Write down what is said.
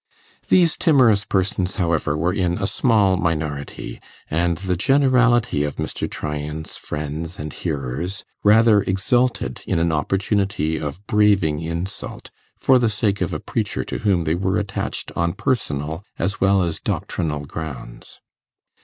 These timorous persons, however, were in a small minority, and the generality of Mr. Tryan's friends and hearers rather exulted in an opportunity of braving insult for the sake of a preacher to whom they were attached on personal as well as doctrinal grounds.